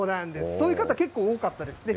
そういう方、結構多かったですね。